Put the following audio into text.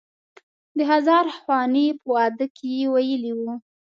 د هزار خوانې په واده کې یې ویلی و.